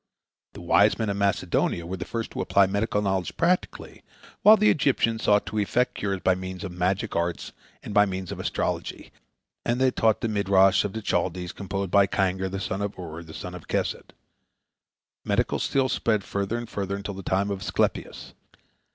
The wise men of Macedonia were the first to apply medical knowledge practically, while the Egyptians sought to effect cures by means of magic arts and by means of astrology, and they taught the Midrash of the Chaldees, composed by Kangar, the son of Ur, the son of Kesed. Medical skill spread further and further until the time of aesculapius.